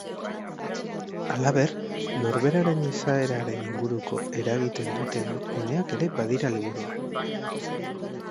Halaber, norberaren izaeraren inguruko eragiten duten uneak ere badira liburuan.